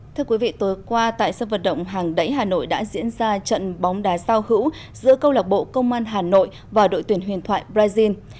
thưa quý vị tối qua tại sân vật động hàng đẩy hà nội đã diễn ra trận bóng đá sao hữu giữa câu lạc bộ công an hà nội và đội tuyển huyền thoại brazil